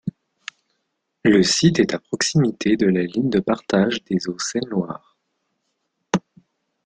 Le site est à proximité de la ligne de partage des eaux Seine-Loire.